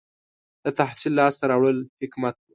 • د تحصیل لاسته راوړل حکمت و.